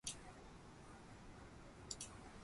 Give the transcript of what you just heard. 夢見る頃を過ぎても